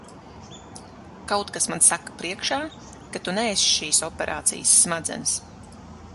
Kaut kas man saka priekšā, ka tu neesi šīs operācijas smadzenes.